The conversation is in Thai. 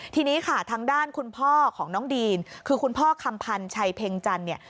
ทีนี้ค่ะทางด้านคุณพ่อของน้องดีนคือคุณพ่อคำพันธ์ชัยเพ็งจันทร์เนี่ย